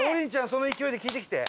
その勢いで聞いてきて。